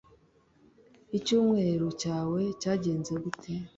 icyumweru cyawe cyagenze gute